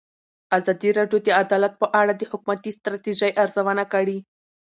ازادي راډیو د عدالت په اړه د حکومتي ستراتیژۍ ارزونه کړې.